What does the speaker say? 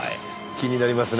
気になりますね。